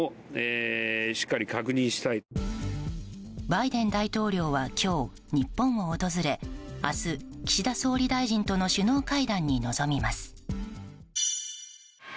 バイデン大統領は今日、日本を訪れ明日、岸田総理大臣との首脳会談に臨みます。